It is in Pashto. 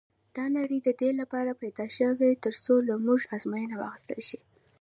دا نړۍ د دې لپاره پيدا شوې تر څو له موږ ازموینه واخیستل شي.